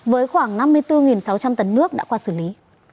với khoảng năm mươi bốn sáu trăm linh tấn nước đã qua xử lý